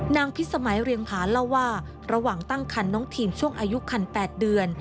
พิษสมัยเรียงผาเล่าว่าระหว่างตั้งคันน้องทีมช่วงอายุคัน๘เดือน